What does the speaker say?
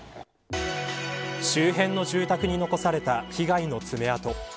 周辺の住宅に残された被害の爪痕。